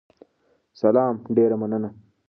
سلام، ډیره مننه